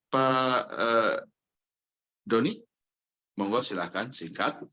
pak doni mohon maaf silahkan singkat